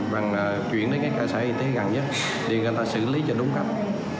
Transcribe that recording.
rồi chuyển đến cái xã y tế gần nhất để người ta xử lý cho đúng cách